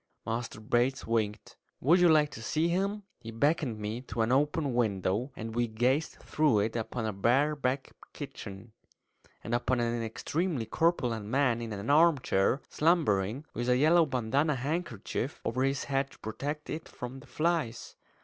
Master Bates winked. "Would you like to see him?" He beckoned me to an open window, and we gazed through it upon a bare back kitchen, and upon an extremely corpulent man in an armchair, slumbering, with a yellow bandanna handkerchief over his head to protect it from the flies.